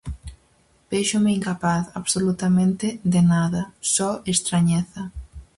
Véxome incapaz, absolutamente, de nada, só estrañeza.